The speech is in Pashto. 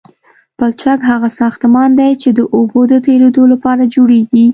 پلچک هغه ساختمان دی چې د اوبو د تیرېدو لپاره جوړیږي